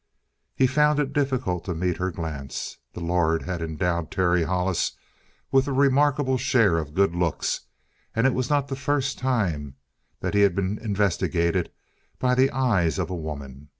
He found it difficult to meet her glance. The Lord had endowed Terry Hollis with a remarkable share of good looks, and it was not the first time that he had been investigated by the eyes of a woman.